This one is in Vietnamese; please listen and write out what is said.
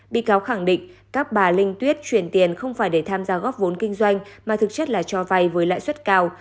bị cáo khẳng định các bà linh tuyết chuyển tiền không phải để tham gia góp vốn kinh doanh mà thực chất là cho vay với lãi suất cao